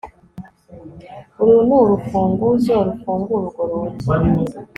Uru nurufunguzo rufungura urwo rugi